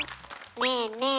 ねえねえ